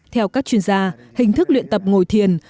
theo các chuyên gia hình thức luyện tập ngồi thiền